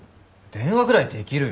電話ぐらいできるよ！